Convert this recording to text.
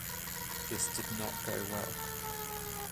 This did not go well.